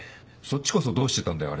そっちこそどうしてたんだよ？